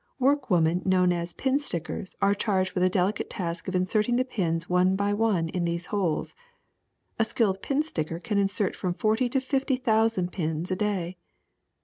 Work women knowm' as pin stickers are charged with the delicate task of inserting the pins one by one in these holes. A skilled pin sticker can insert from forty to fifty thousand pins a day.